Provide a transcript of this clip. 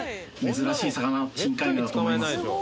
珍しい魚深海魚だと思います。